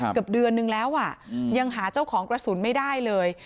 เกือบเดือนนึงแล้วอ่ะยังหาเจ้าของกระสุนไม่ได้เลย